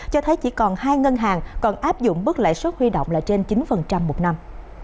cho thấy chỉ còn hai ngân hàng còn áp dụng mức lãi suất huy động là trên chín một năm